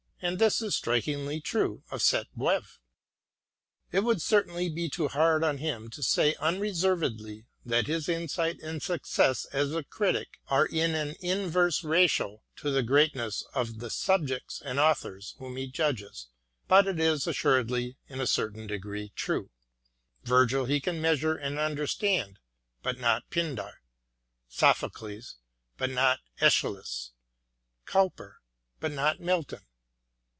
And this is strikingly true of Sainte Beuve. It would certainly be too hard on him to say unreservedly that his insight and success as a critic are in an inverse ratio to the greatness of the subjects and authors whom he judges, but it is assuredly in a certain degree true. Virgil he can measure and understand, but not Pindar ; Sophocles, but not iEschylus ; Cowper, but not Milton.